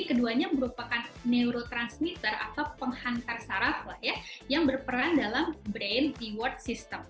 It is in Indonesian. keduanya merupakan neurotransmitter atau penghantar sarak yang berperan dalam brain reward system